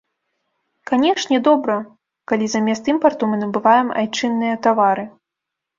Канешне, добра, калі замест імпарту мы набываем айчынныя тавары.